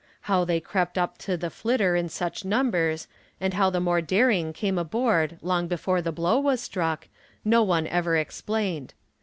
How they crept up to the "Flitter" in such numbers and how the more daring came aboard long before the blow was struck, no one ever explained.